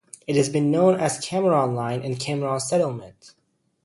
It has been known as Cameron Line and Cameron Settlement.